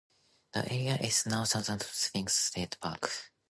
The area is now Thousand Springs State Park.